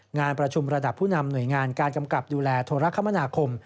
งานประชุมระดับผู้นำหน่วยงานการกำกับดูแลโทรคมนาคม